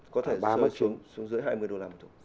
có thể sơ xuống dưới hai mươi đô la một thùng